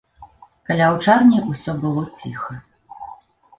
Каля аўчарні ўсё было ціха.